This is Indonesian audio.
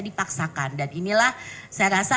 dipaksakan dan inilah saya rasa